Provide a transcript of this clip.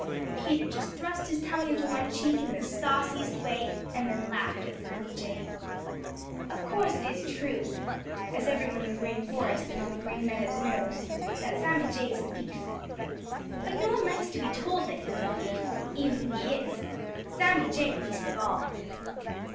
Peter just thrust his tongue into one cheek in the sauciest way and then laughed at Sammy Jay. Of course it is true, as every one in the Green Forest and on the Green Meadows knows, that Sammy Jay is a thief. But no one likes to be told that he is a thief, even if he is, Sammy Jay least of all.